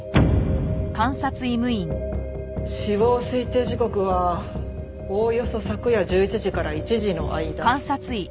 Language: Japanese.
死亡推定時刻はおおよそ昨夜１１時から１時の間。